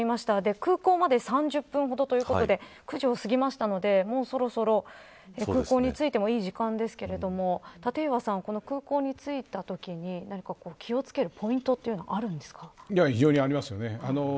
空港まで３０分ほどということで９時を過ぎましたのでもうそろそろ空港に着いてもいい時間ですけれども立岩さん、空港に着いたときに何か気を付けるポイントは非常にありますよね。